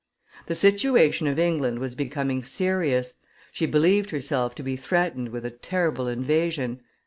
The situation of England was becoming serious, she believed herself to be threatened with a terrible invasion.